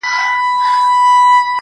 د درد د كړاوونو زنده گۍ كي يو غمى دی